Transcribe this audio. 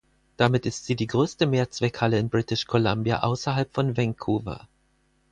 Damit ist sie die größte Mehrzweckhalle in British Columbia außerhalb von Vancouver.